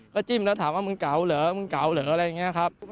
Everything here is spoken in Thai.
ก็จิ้มแล้วถามว่ามึงเก๋าเหรอมึงเก๋าเหรออะไรอย่างนี้ครับ